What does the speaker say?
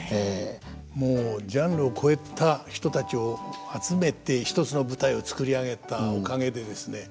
もうジャンルを超えた人たちを集めて一つの舞台を作り上げたおかげでですね